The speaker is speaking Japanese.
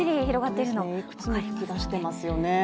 いくつも吹き出していますよね。